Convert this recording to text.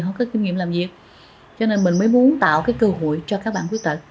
họ có kinh nghiệm làm việc cho nên mình mới muốn tạo cái cơ hội cho các bạn khuyết tật